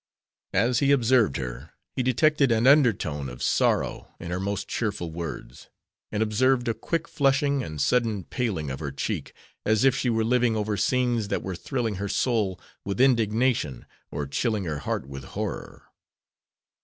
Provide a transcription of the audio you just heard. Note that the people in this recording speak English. As he observed her, he detected an undertone of sorrow in her most cheerful words, and observed a quick flushing and sudden paling of her cheek, as if she were living over scenes that were thrilling her soul with indignation or chilling her heart with horror.